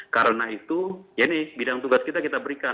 karena itu ya ini bidang tugas kita kita berikan